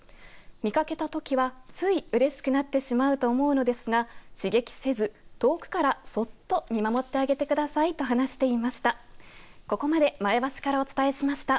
見かけたときはついうれしくなってしまうと思うのですが刺激せず遠くからそっと見守ってあげてくださいと話していました。